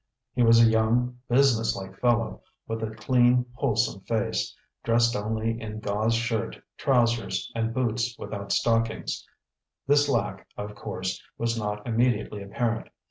He was a young, businesslike fellow with a clean, wholesome face, dressed only in gauze shirt, trousers, and boots without stockings; this lack, of course, was not immediately apparent.